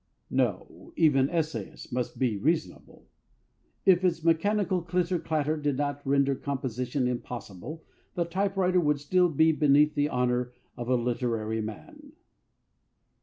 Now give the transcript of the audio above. No; even essayists must be reasonable. If its mechanical clitter clatter did not render composition impossible, the typewriter would still be beneath the honour of a literary man.